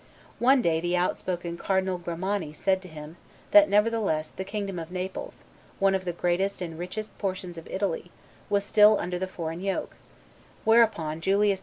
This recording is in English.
One day the outspoken Cardinal Grimani said to him that, nevertheless, the kingdom of Naples, one of the greatest and richest portions of Italy, was still under the foreign yoke; whereupon Julius II.